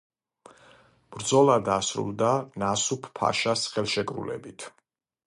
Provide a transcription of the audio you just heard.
ბრძოლა დასრულდა ნასუჰ-ფაშას ხელშეკრულებით.